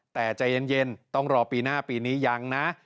แต่ใจเย็นต้องรอปีหน้าปีนี้ยังนะ